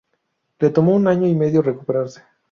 Le tomó un año y medio recuperarse.